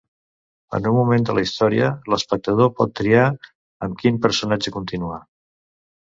En un moment de la història, l’espectador pot triar amb quin personatge continua.